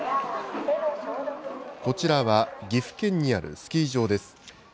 こちらは、岐阜県にあるスキー場です。